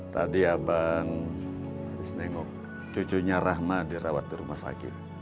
tadi abang senegok cucunya rahma dirawat di rumah sakit